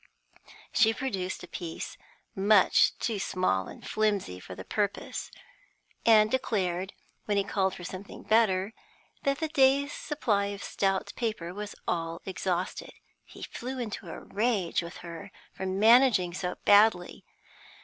She produced a piece much too small and flimsy for the purpose, and declared, when he called for something better, that the day's supply of stout paper was all exhausted. He flew into a rage with her for managing so badly.